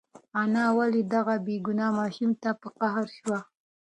انا ولې دغه بېګناه ماشوم ته په قهر شوه؟